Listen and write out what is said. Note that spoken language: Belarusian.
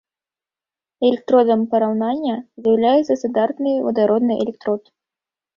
Электродам параўнання з'яўляецца стандартны вадародны электрод.